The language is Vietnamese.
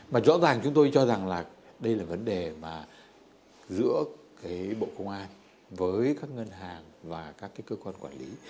mà rõ ràng chúng tôi cho rằng là đây là vấn đề mà giữa cái bộ công an với các ngân hàng và các cái cơ quan quản lý